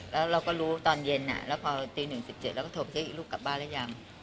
แล้วเราก็รู้ตอนเย็นน่ะแล้วพอตีหนึ่งสิบเจ็ดเราก็โทรไปเที่ยวกลับบ้านแล้วยัง